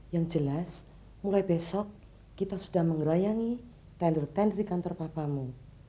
yang jelas mulai besok kita sudah mengerayangi tender tender di kantor papamu